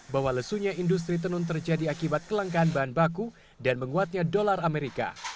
bahwa lesunya industri tenun terjadi akibat kelangkaan bahan baku dan menguatnya dolar amerika